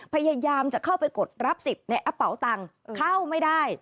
พยายามจะเข้าไปกดรับสิทธิ์ในแอปเป๋าตังค์เข้าไม่ได้